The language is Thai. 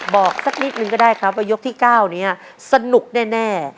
บอกสักนิดนึงก็ได้ครับว่ายกที่๙นี้สนุกแน่